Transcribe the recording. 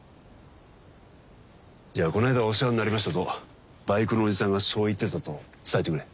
じゃあこの間はお世話になりましたとバイクのおじさんがそう言ってたと伝えてくれ。